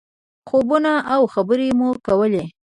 خوبونه او خبرې مو کولې.